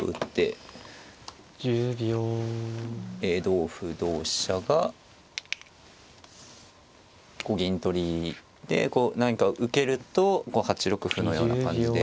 同歩同飛車が銀取りで何か受けると８六歩のような感じで。